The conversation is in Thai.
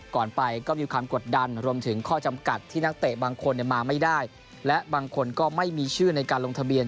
ก่อนไปก็มีความกดดันรวมถึงข้อจำกัดที่นักเตะบางคนมาไม่ได้และบางคนก็ไม่มีชื่อในการลงทะเบียน